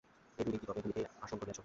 এ দুদিন কি তবে ভূমিতেই আসন করিয়াছ?